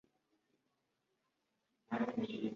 Cecily Gertrude Magdalenna Rosalys